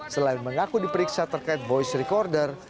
selain mengaku diperiksa terkait voice recorder